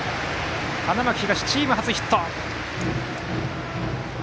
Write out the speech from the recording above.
花巻東、チーム初ヒット。